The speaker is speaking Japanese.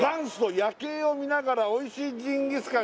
夜景を見ながら美味しいジンギスカン！」